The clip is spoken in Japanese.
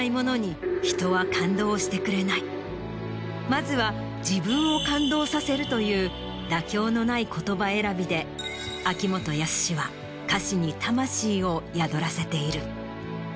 まずは自分を感動させるという妥協のない言葉選びで秋元康は歌詞に魂を宿らせている。